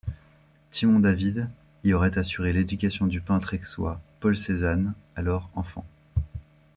Timon-David y aurait assuré l'éducation du peintre aixois Paul Cézanne, alors enfant.